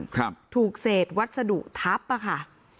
ครับถูกเศษวัสดุทับอ่ะค่ะ